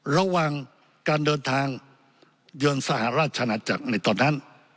ระหว่างการเดินทางเยือนสหราชนาจักรในตอนนั้น